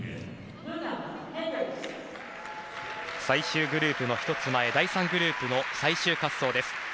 最終グループの１つ前第３グループの最終滑走です。